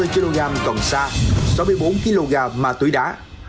một trăm sáu mươi kg còn xa sáu mươi bốn kg ma túy đá